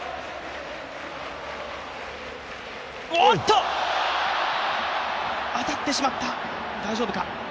おっと、当たってしまった、大丈夫か。